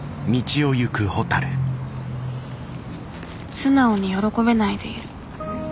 素直に喜べないでいる。